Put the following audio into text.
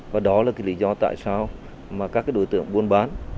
và đó là cái lý do tại sao mà các cái đối tượng buôn bán